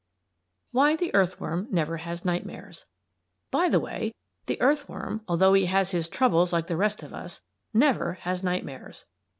WHY THE EARTHWORM NEVER HAS NIGHTMARES By the way, the earthworm, although he has his troubles like the rest of us, never has nightmares.